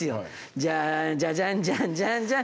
じゃんじゃじゃんじゃんじゃんじゃん。